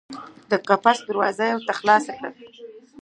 د قفس یې دروازه کړه ورته خلاصه